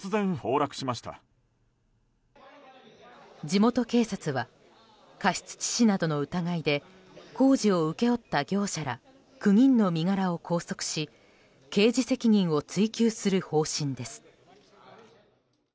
地元警察は過失致死などの疑いで工事を請け負った業者ら９人の身柄を拘束し刑事責任を追及する方針です。